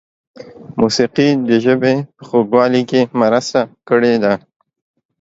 موسیقۍ د ژبې په خوږوالي کې مرسته کړې ده.